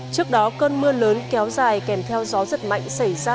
trước đó cơn mưa lớn kéo dài kèm theo gió giật mạnh xảy ra vào khoảng một mươi tám h